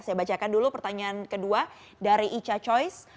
saya bacakan dulu pertanyaan kedua dari ica choice